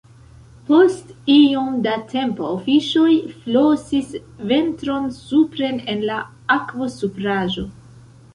Post iom da tempo fiŝoj flosis ventron supren en la akvosupraĵo.